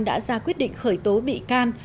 đã ra quyết định khởi tố bị can